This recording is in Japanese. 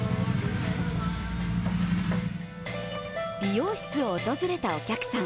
美容室を訪れたお客さん。